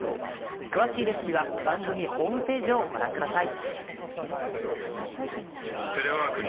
詳しいレシピは番組ホームページをご覧ください。